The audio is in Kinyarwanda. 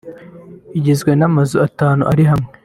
igizwe n’amazu atanu ari hamwe